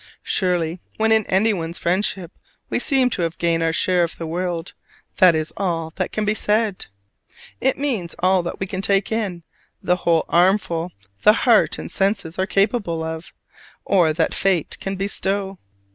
Surely when in anyone's friendship we seem to have gained our share of the world, that is all that can be said. It means all that we can take in, the whole armful the heart and senses are capable of, or that fate can bestow.